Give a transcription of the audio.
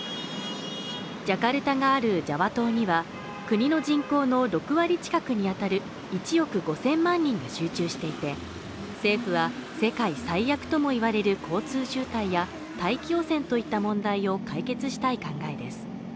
ジャカルタがあるジャワ島には国の人口の６割近くにあたる１億５０００万人が集中していて、政府は世界最悪とも言われる交通渋滞や大気汚染といった問題を解決したい考えです。